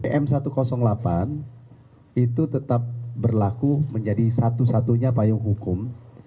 pm satu ratus delapan itu tetap berlaku menjadi satu satunya payung hukum